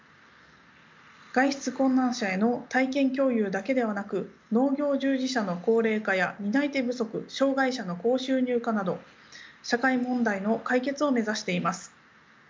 外出困難者への体験共有だけではなく農業従事者の高齢化や担い手不足障がい者の高収入化など社会問題の解決を目指しています。